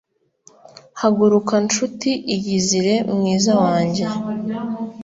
haguruka, ncuti; iyizire, mwiza wanjye